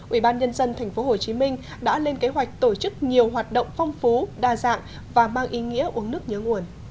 ủy ban nhân dân tp hcm đã lên kế hoạch tổ chức nhiều hoạt động phong phú đa dạng và mang ý nghĩa uống nước nhớ nguồn